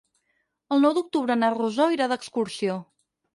El nou d'octubre na Rosó irà d'excursió.